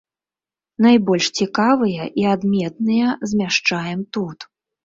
Найбольш цікавыя і адметныя змяшчаем тут.